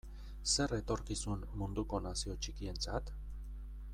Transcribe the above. Zer etorkizun munduko nazio txikientzat?